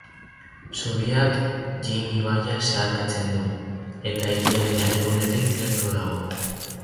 Zubiak Jin ibaia zeharkatzen du eta hiriaren erdigunetik gertu dago.